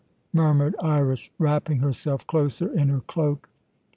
murmured Iras, wrapping herself closer in her cloak.